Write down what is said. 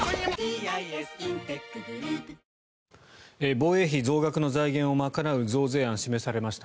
防衛費増額の財源を賄う増税案が示されました。